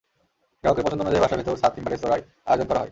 গ্রাহকের পছন্দ অনুযায়ী বাসার ভেতর, ছাদ কিংবা রেস্তোরাঁয় আয়োজন করা হয়।